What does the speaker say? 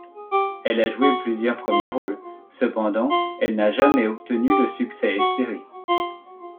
Elle a joué plusieurs premiers rôles, cependant, elle n'a jamais obtenu le succès espéré.